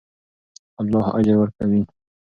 الله اجر ورکوي.